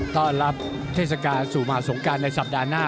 ต้อนรับเทศกาลสู่มหาสงการในสัปดาห์หน้า